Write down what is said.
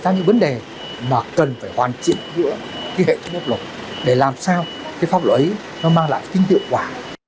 nó mang lại kinh tựu quả